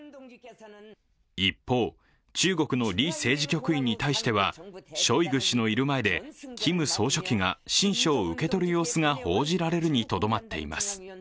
一方、中国の李政治局員に対してはショイグ氏のいる前でキム総書記が親書を受け取る様子が報じられるにとどまっています。